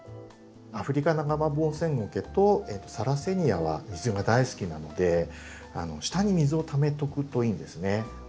アフリカナガバモウセンゴケとサラセニアは水が大好きなので下に水をためとくといいんですね。